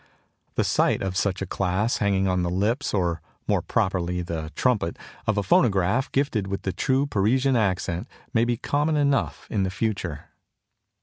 The sight of such a class hanging on the lips or more properly the trumpet of a phonograph gifted with the true Parisian accent may be common enough in the future.